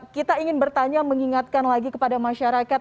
kita ingin bertanya mengingatkan lagi kepada masyarakat